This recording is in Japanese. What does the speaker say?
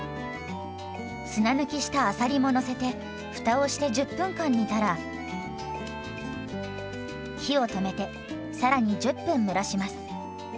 砂抜きしたあさりものせてふたをして１０分間煮たら火を止めてさらに１０分蒸らします。